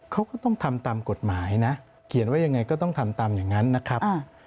เขาก็ต้องทำตามกฎหมายนะเขียนว่ายังไงก็ต้องทำตามอย่างนั้นนะครับ